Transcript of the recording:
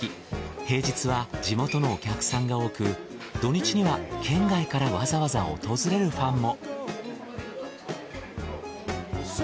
平日は地元のお客さんが多く土日には県外からわざわざ訪れるファンも。